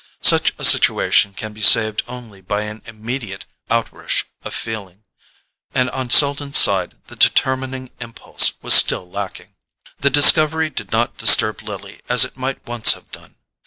Such a situation can be saved only by an immediate outrush of feeling; and on Selden's side the determining impulse was still lacking. The discovery did not disturb Lily as it might once have done.